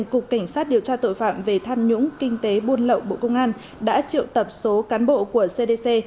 cục cảnh sát điều tra tội phạm về tham nhũng kinh tế buôn lậu bộ công an đã triệu tập số cán bộ của cdc